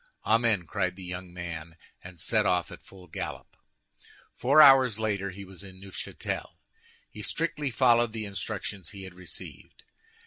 "Amen!" cried the young man, and set off at full gallop. Four hours later he was in Neufchâtel. He strictly followed the instructions he had received.